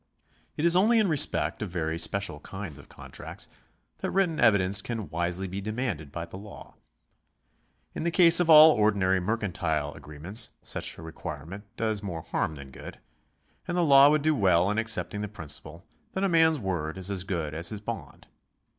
It is only in respect of very special kinds of contracts that written evidence can wisely be demanded by the law. In the case of all ordinary mercantile agreements such a require ment does more harm than good ; and the law would do well in accepting the principle that a man's word is as good as his bond.